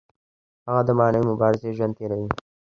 هغه د معنوي مبارزې ژوند تیروي.